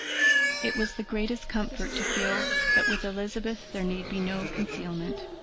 It was the greatest comfort to feel that with Elizabeth there need be no concealment.